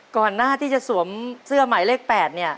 ก่อนหน้าที่จะสวมเสื้อหมายเลข๘เนี่ย